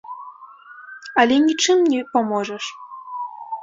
Але нічым не паможаш.